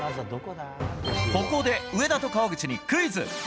ここで上田と川口にクイズ。